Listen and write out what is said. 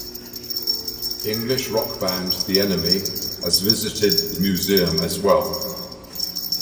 English rock band The Enemy has visited the museum as well.